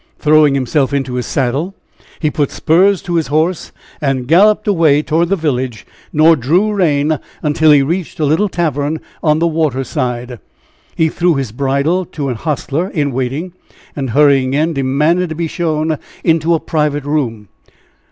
Throwing himself into his saddle, he put spurs to his horse, and galloped away toward the village, nor drew rein until he reached a little tavern on the water side. He threw his bridle to an hostler in waiting, and hurrying in, demanded to be shown into a private room.